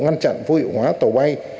ngăn chặn vô hiệu hóa tàu bay